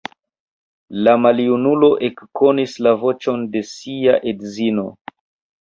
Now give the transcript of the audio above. La maljunulo ekkonis la voĉon de sia edzino.